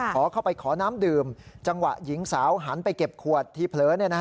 ขอเข้าไปขอน้ำดื่มจังหวะหญิงสาวหันไปเก็บขวดที่เผลอ